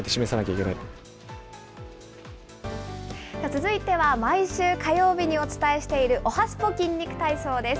続いては、毎週火曜日にお伝えしているおはＳＰＯ筋肉体操です。